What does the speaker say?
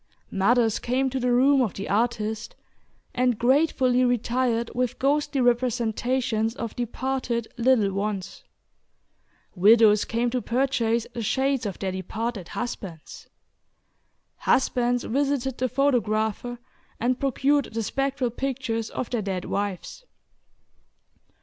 Mothers came to the room of the artist, and gratefully retired with ghostly representations of departed little ones. Widows came to purchase the shades of their departed husbands. Husbands visited the photographer and procured the spectral pictures of their dead wives.